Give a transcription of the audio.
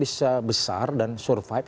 bisa besar dan survive